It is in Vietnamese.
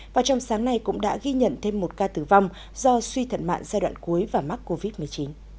và trong sáng nay cũng đã ghi nhận thêm một ca tử vong do suy thận mạng giai đoạn cuối và mắc covid một mươi chín